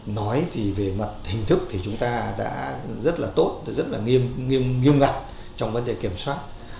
nói thì về mặt hình thức thì chúng ta đã rất là tốt rất là nghiêm ngặt trong vấn đề kiểm soát